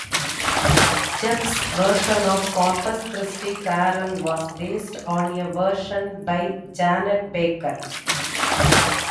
Jeff's version of "Corpus Christi Carol" was based on a version by Janet Baker.